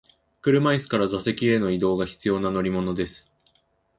車椅子から座席への移動が必要な乗り物です。